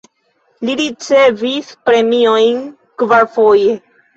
Li ricevis premiojn kvarfoje.